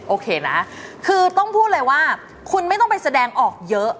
โอเคนะคือต้องพูดเลยว่าคุณไม่ต้องไปแสดงออกเยอะ